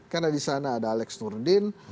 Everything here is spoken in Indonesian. karena disana ada alex turdin